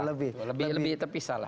lebih terpisah lah